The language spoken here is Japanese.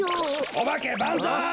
おばけバンザイ！